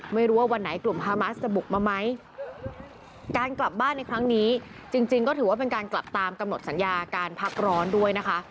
ไม่รู้ว่าวันไหนกลุ่มฮามาสจะบุกมาไหมการกลับบ้านในครั้งนี้จริงจริงก็ถือว่าเป็นการกลับตามกำหนดสัญญาการพักร้อนด้วยนะคะ